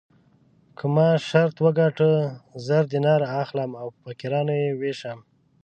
که ما شرط وګټه زر دیناره اخلم او په فقیرانو یې وېشم.